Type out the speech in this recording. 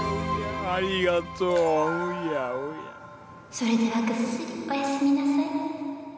それではぐっすりおやすみなさい。